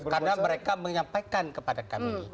karena mereka menyampaikan kepada kami